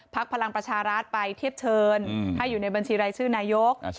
พลังประชารัฐไปเทียบเชิญให้อยู่ในบัญชีรายชื่อนายก